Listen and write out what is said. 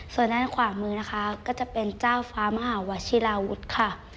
ส่วนด้านขวามือนะคะก็จะเป็นเจ้าฟ้ามหาวชิลาวุฒิค่ะ